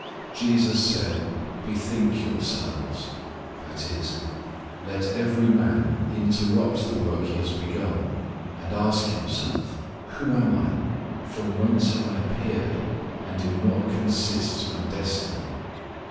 Jesus said, "Bethink yourselves" i.e. "Let every man interrupt the work he has begun and ask himself: Who am I? From whence have I appeared, and in what consists my destiny?